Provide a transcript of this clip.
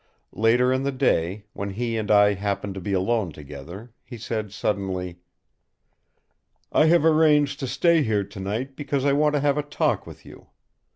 Later in the day, when he and I happened to be alone together, he said suddenly: "I have arranged to stay here tonight because I want to have a talk with you.